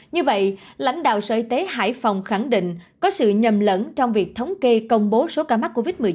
như vậy lãnh đạo sở y tế hải phòng khẳng định có sự nhầm lẫn trong việc thống kê công bố số ca mắc covid một mươi chín